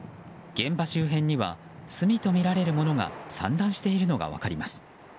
現場周辺には炭とみられるものが散乱しているのが分かります。